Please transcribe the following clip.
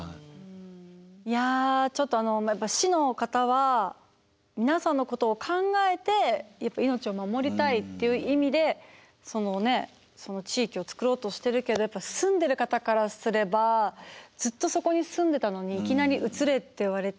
いやちょっと市の方は皆さんのことを考えて命を守りたいという意味でその地域をつくろうとしてるけど住んでいる方からすればずっとそこに住んでたのにいきなり移れって言われて。